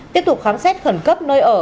tiếp tục khám xét khẩn cấp nơi ở